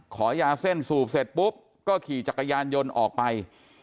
ขอยาเส้นสูบเสร็จปุ๊บก็ขี่จักรยานยนต์ออกไป